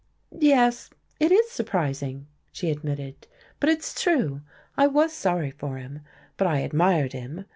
"Yes, it is surprising," she admitted, "but it's true. I was sorry for him, but I admired him.